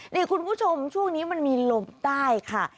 นี่คุณผู้ชมช่วงนี้มันมีลมใต้ค่ะ